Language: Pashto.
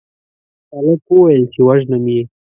هلک وويل چې وژنم يې